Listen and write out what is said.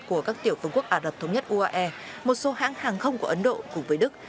của các tiểu phương quốc ả rập thống nhất uae một số hãng hàng không của ấn độ cùng với đức